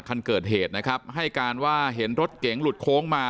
คันเกิดเหตุนะครับให้การว่าเห็นรถเก๋งหลุดโค้งมา